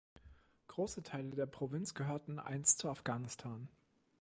Große Teile der Provinz gehörten einst zu Afghanistan.